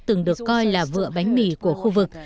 từng được coi là vựa bánh mì của khu vực